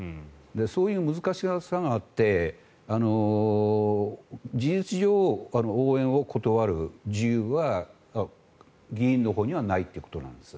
そういう難しさがあって事実上、応援を断る自由は議員のほうにはないってことなんです。